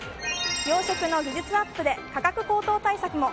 養殖の技術アップで価格高騰対策も。